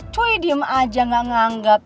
cuy diem aja gak nganggap